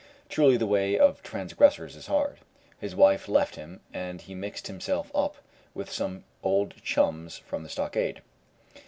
Truly the way of transgressors is hard. His wife left him, and he mixed himself up with some old chums from the stockade.